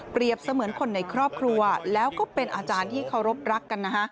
เปรียบเสมือนคนในครอบครัวแล้วก็เป็นอาจารย์ที่เค้ารบรักกัน